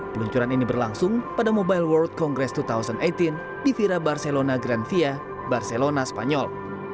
peluncuran ini berlangsung pada mobile world congress dua ribu delapan belas di vira barcelona granvia barcelona spanyol